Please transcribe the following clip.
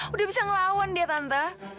udah bisa ngelawan tante